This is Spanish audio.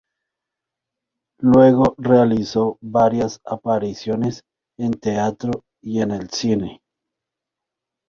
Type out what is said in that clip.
Luego realizó varias apariciones en teatro y en el cine.